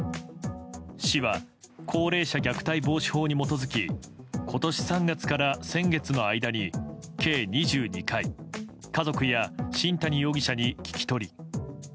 市は高齢者虐待防止法に基づき今年３月から先月の間に計２２回家族や新谷容疑者に聞き取り。